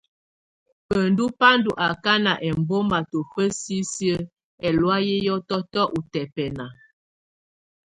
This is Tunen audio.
Bǝŋdu bá ndɔ̀ akana ɛmbɔma tɔfa sisi ɛlɔ̀áyɛ hiɔtɔtɔ utɛpɛna.